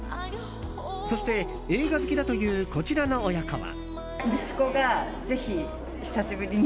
そして、映画好きだというこちらの親子は。